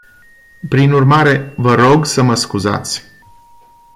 Prin urmare, vă rog să mă scuzați.